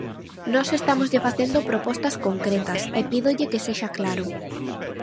Nós estámoslle facendo propostas concretas e pídolle que sexa claro.